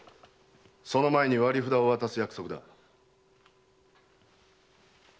その前に割り札を渡す約束だ。